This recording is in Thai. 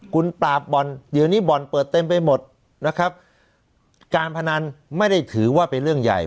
คุณปราบบ่อนเดี๋ยวนี้บ่อนเปิดเต็มไปหมดนะครับการพนันไม่ได้ถือว่าเป็นเรื่องใหญ่